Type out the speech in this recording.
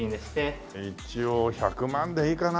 一応１００万でいいかな。